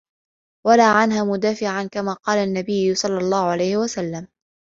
وَلَا عَنْهَا مُدَافِعًا كَمَا قَالَ النَّبِيُّ صَلَّى اللَّهُ عَلَيْهِ وَسَلَّمَ